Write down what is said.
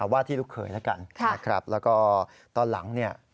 ว่าที่ลูกเคยแล้วกันแล้วก็ตอนหลัง